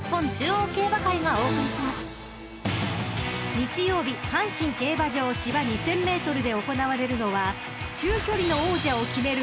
［日曜日阪神競馬場芝２，０００ｍで行われるのは中距離の王者を決める